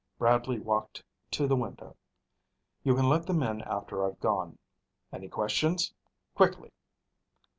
Bradley walked to the window. "You can let them in after I've gone. Any questions? Quickly!"